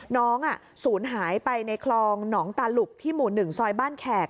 ศูนย์หายไปในคลองหนองตาหลุกที่หมู่๑ซอยบ้านแขก